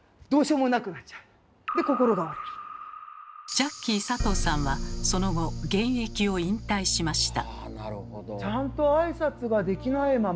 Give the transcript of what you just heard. ジャッキー佐藤さんはその後現役を引退しました。